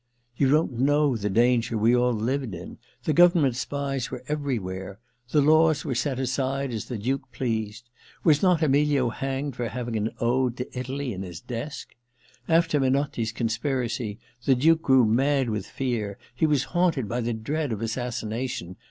* You don't know the danger we all lived in. The government spies were everywhere. The laws were set aside as the Duke pleased — ^was not Emilio hanged for having an ode to Italy in his desk ? After Menotti's conspiracy the Duke grew mad with fear — he was haunted by the dread of assassination.